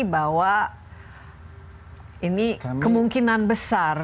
bahwa ini kemungkinan besar